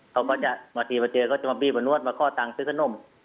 เขาก็จะมาทีมาเจอก็จะมาบี้มานวดมาข้อตังค์ซื้อขนม